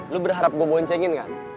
lu berharap gue boncengin kan